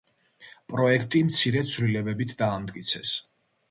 პროექტი მცირე ცვლილებებით დაამტკიცეს.